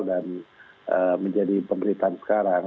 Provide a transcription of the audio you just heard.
dan menjadi pemberitaan sekarang